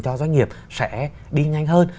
cho doanh nghiệp sẽ đi nhanh hơn